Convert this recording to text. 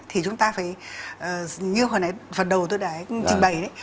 thì chúng ta phải như hồi nãy vào đầu tôi đã trình bày ấy